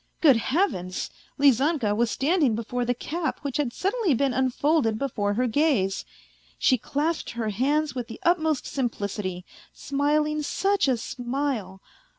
Good Heavens ! Lizanka was standing before the cap which had suddenly been unfolded before her gaze; she clasped her hands with the utmost simplicity, smiling such a smile.